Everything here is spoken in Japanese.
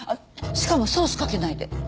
しかもソースかけないで。